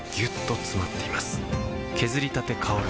削りたて香る